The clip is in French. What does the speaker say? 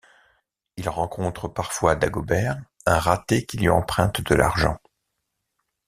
Il rencontre parfois Dagobert, un raté qui lui emprunte de l'argent.